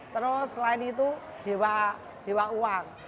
terus lain itu dewa dewa uang